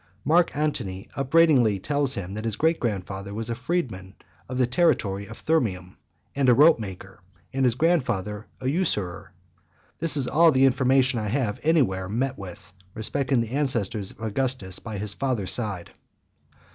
Mark Antony upbraidingly tells him that his great grandfather was a freedman of the territory of Thurium , and a rope maker, and his grandfather a usurer. This is all the information I have any where met with, respecting the ancestors of Augustus by the father's side.